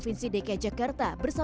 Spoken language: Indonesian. jangan lupa girikan etcetera